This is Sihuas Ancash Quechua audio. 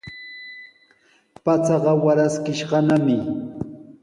Pachaqa waraskishqanami.